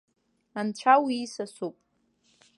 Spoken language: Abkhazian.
Анцәа уисасуп!